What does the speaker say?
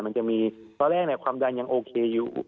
มันจะมีตอนแรกความดันยังโอเคอยู่